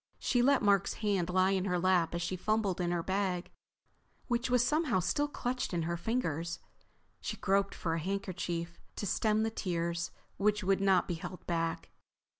She let Mark's hand lie in her lap as she fumbled in her bag, which was somehow still clutched in her fingers. She groped for a handkerchief to stem the tears which would not be held back.